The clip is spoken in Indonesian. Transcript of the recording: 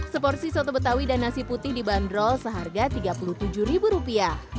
seporsi soto betawi dan nasi putih dibanderol seharga tiga puluh tujuh ribu rupiah